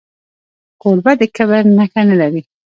کوربه د کبر نښه نه لري.